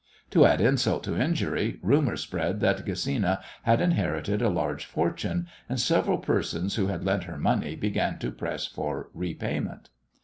To add insult to injury, rumours spread that Gesina had inherited a large fortune, and several persons who had lent her money began to press for repayment.